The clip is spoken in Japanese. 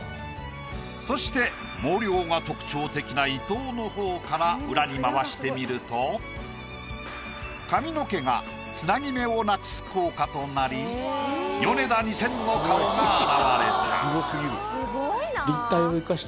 そして毛量が特徴的な伊藤の方から裏に回してみると髪の毛がつなぎ目をなくす効果となりヨネダ２０００の顔が現れた。